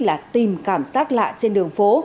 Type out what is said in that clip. là tìm cảm xác lạ trên đường phố